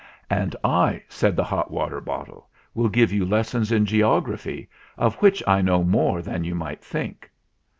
"And I," said the hot water bottle, "will give you lessons in geography, of which I know more than you might think."